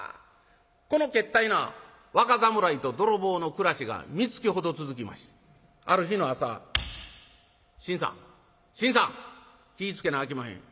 このけったいな若侍と泥棒の暮らしが三月ほど続きましてある日の朝「信さん信さん気ぃ付けなあきまへん」。